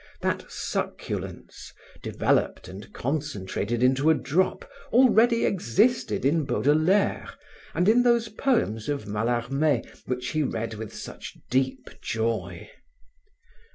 That succulence, developed and concentrated into a drop, already existed in Baudelaire and in those poems of Mallarme which he read with such deep joy.